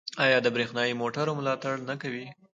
آیا د بریښنايي موټرو ملاتړ نه کوي؟